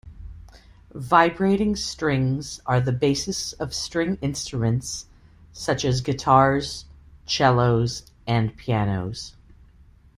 Vibrating strings are the basis of string instruments such as guitars, cellos, and pianos.